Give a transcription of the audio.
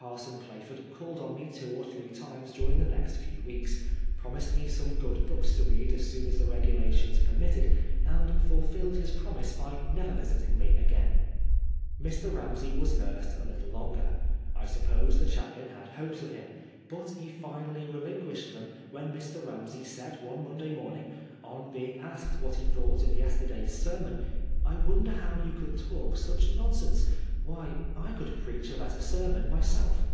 Parson Plaford called on me two or three times during the next few weeks, promised me some good books to read as soon as the regulations per mitted, and fulfilled his promise by never visiting me again. Mr. Ramsey was nursed a little longer. I suppose the chaplain had hopes of him. But he finally relin K 146 PBISONEB FOK BIiASFHEMT. qnished them when Mr. Ramsey said one Monday morning, on being asked what he thought of yester day's sermon, 1 wonder how you could talk such nonsense. "Wliy, I could preach a better sermon myself."